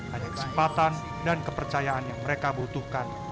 hanya kesempatan dan kepercayaan yang mereka butuhkan